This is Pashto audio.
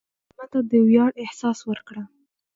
مېلمه ته د ویاړ احساس ورکړه.